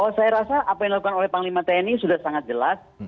oh saya rasa apa yang dilakukan oleh panglima tni sudah sangat jelas